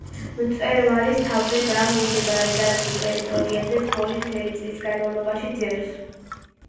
მწვერვალის თავზე და მიმდებარე დაცულ ტერიტორიებზე თოვლი მთელი წლის განმავლობაში ძევს.